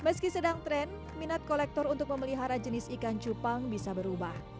meski sedang tren minat kolektor untuk memelihara jenis ikan cupang bisa berubah